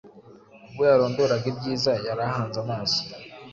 Ubwo yarondoraga ibyiza yari ahanze amaso,